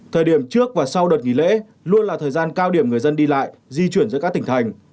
thời điểm trước và sau đợt nghỉ lễ luôn là thời gian cao điểm người dân đi lại di chuyển giữa các tỉnh thành